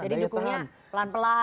jadi dukunya pelan pelan gitu